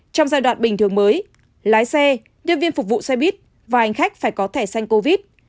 trong giai đoạn bình thường mới lái xe nhân viên phục vụ xe buýt và hành khách phải có thẻ xanh covid